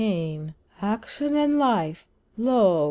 Action and Life lo!